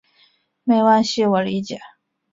没关系，我理解。